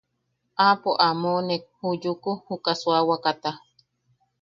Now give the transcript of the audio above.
Aapo a moʼonek ju Yuku juka suawakata.